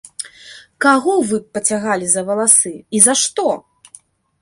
Каго вы б пацягалі за валасы, і за што?